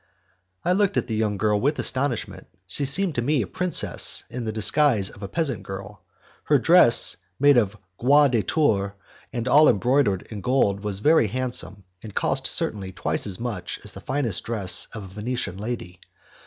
I looked at the young girl with astonishment. She seemed to me a princess in the disguise of a peasant girl. Her dress, made of 'gros de Tours' and all embroidered in gold, was very handsome, and cost certainly twice as much as the finest dress of a Venetian lady.